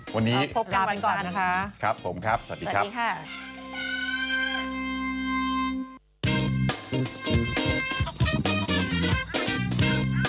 วันนี้เราพบกันวันก่อนนะครับ